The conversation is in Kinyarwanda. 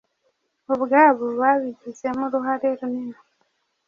ubwabo babigizemo uruhare.runini